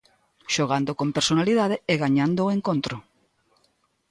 Xogando con personalidade e gañando o encontro.